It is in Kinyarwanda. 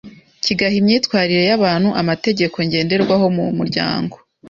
kigaha imyitwarire y’abantu amategeko ngenderwaho mu muryango.